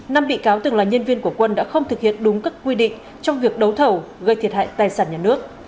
năm bị cáo từng là nhân viên của quân đã không thực hiện đúng các quy định trong việc đấu thầu gây thiệt hại tài sản nhà nước